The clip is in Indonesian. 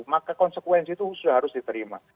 maka konsekuensi itu sudah harus diterima